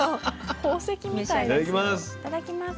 いただきます。